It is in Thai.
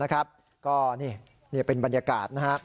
ก็นี่เป็นบรรยากาศนะฮะ